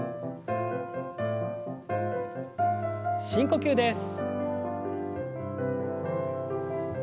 深呼吸です。